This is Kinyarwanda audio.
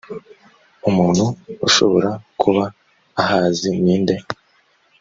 umuntu ushobora kuba ahazi ninde